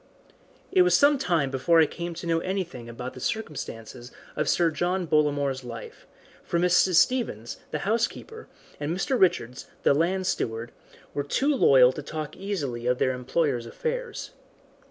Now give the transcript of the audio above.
It was some time before I came to know anything about the circumstances of Sir John Bollamore's life, for Mrs. Stevens, the housekeeper, and Mr. Richards, the land steward, were too loyal to talk easily of their employer's affairs.